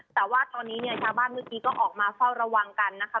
แต่ว่าตอนนี้เนี่ยชาวบ้านเมื่อกี้ก็ออกมาเฝ้าระวังกันนะคะ